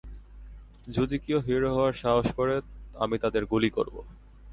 যদি কেউ হিরো হওয়ার সাহস করে, আমি তাদের গুলি করব!